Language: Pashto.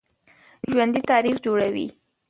ژوندي تاریخ جوړوي